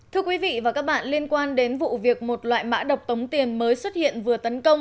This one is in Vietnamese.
thưa quý vị và các bạn liên quan đến vụ việc một loại mã độc tống tiền mới xuất hiện vừa tấn công